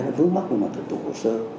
nó vứt mắt vào mặt tổng thống hồ sơ